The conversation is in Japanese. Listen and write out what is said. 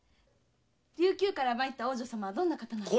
琉球から参った王女様はどんな方なんです？